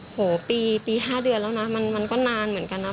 โหปี๕เดือนแล้วนะมันก็นานเหมือนกันนะ